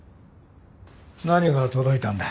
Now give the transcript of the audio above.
何が届いたんだ？